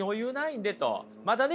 またね